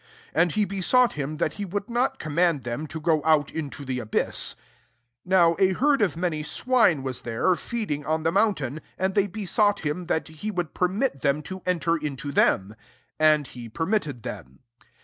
31 And he besought him * that he would not command them to go out into the abyss. S2 Now a herd of many swine was there, feeding on the moun tain : and they besought him that he would permit them to enter into them. And he per mitted them.